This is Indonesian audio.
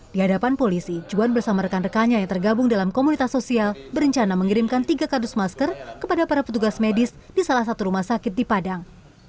di hadapan polisi juan bersama rekan rekannya yang tergabung dalam komunitas sosial berencana mengirimkan tiga kardus masker kepada para petugas medis di salah satu rumah sakit di padang